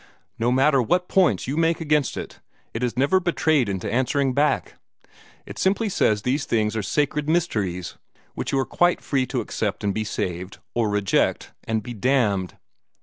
No matter what points you make against it, it is never betrayed into answering back. It simply says these things are sacred mysteries, which you are quite free to accept and be saved, or reject and be damned.